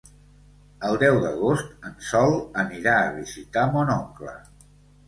El deu d'agost en Sol anirà a visitar mon oncle.